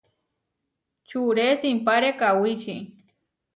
Čuré simpáre kawíči.